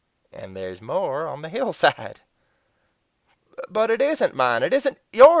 And there's more on the hillside." "But it isn't MINE! It isn't YOURS!